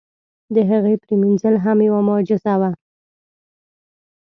د هغې پرېمنځل هم یوه معجزه وه.